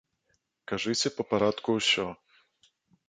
Кажыце па парадку ўсё.